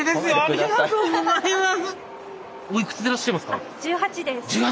ありがとうございます！